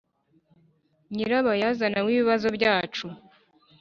nyirabayazana w ibibazo byacu